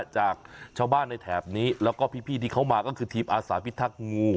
จากชาวบ้านในแถบนี้แล้วก็พี่ที่เขามาก็คือทีมอาสาพิทักษ์งู